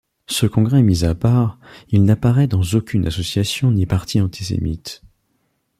Ce congrès mis à part, il n'apparaît dans aucune association ni parti antisémite.